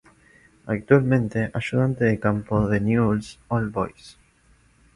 Actual ayudante de campo de Newell's Old Boys.